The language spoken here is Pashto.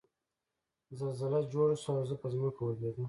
زلزله جوړه شوه او زه په ځمکه ولوېدم